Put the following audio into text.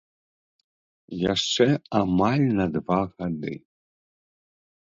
Яшчэ амаль на два гады.